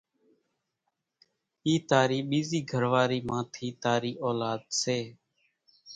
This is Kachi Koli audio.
اِي تارِي ٻيزي گھرواري مان ٿي تاري اولاۮ سي